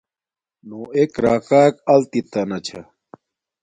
نو ایک راکاک التت تانا چھا